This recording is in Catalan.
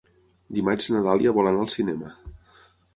Dimarts na Dàlia vol anar al cinema.